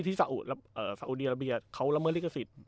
ที่สาอุสาอุเดียระเบียดเขาระเมิดลิขสิทธิ์